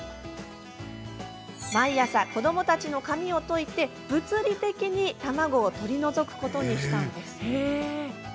毎朝、子どもたちの髪をといて物理的に卵を取り除くことにしたんです。